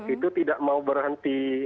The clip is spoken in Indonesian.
itu tidak mau berhenti